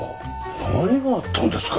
何があったんですか？